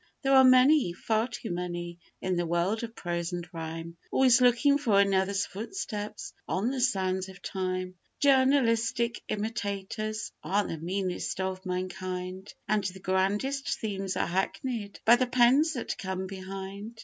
There are many, far too many, in the world of prose and rhyme, Always looking for another's 'footsteps on the sands of time.' Journalistic imitators are the meanest of mankind; And the grandest themes are hackneyed by the pens that come behind.